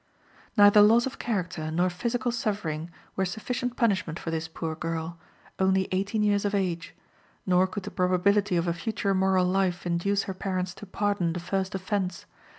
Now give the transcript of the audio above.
Neither loss of character nor physical suffering were sufficient punishment for this poor girl, only eighteen years of age; nor could the probability of a future moral life induce her parents to pardon the first offense.